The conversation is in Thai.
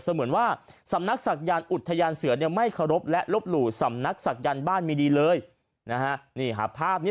เหมือนว่าสำนักศักยานอุทยานเสือเนี่ยไม่เคารพและลบหลู่สำนักศักยันต์บ้านมีดีเลยนะฮะ